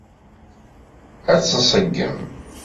Ad t-nṣeggem.